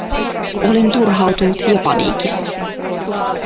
Olin turhautunut ja paniikissa.